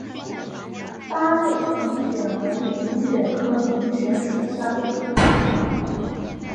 八列平藓为平藓科平藓属下的一个种。